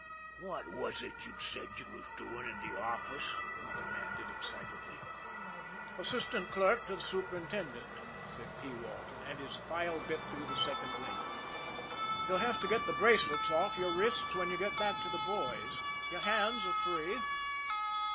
"What was it you said you was doin' in de office?" he demanded excitedly. "Assistant clerk to the superintendent," said P. Walton and his file bit through the second link. "You'll have to get the bracelets off your wrists when you get back to the boys your hands are free."